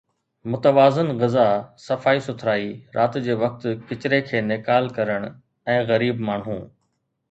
متوازن غذا، صفائي سٿرائي، رات جي وقت ڪچري کي نيڪال ڪرڻ ۽ غريب ماڻهو